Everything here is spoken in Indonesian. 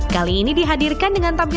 kali ini dihadirkan dengan busana ceongsam